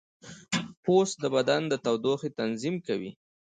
پوست د بدن د تودوخې تنظیم کوي.